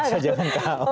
asal jangan ko